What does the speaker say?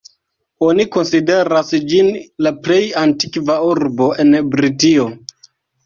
Oni konsideras ĝin la plej antikva urbo en Britio.